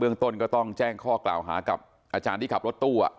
ต้นก็ต้องแจ้งข้อกล่าวหากับอาจารย์ที่ขับรถตู้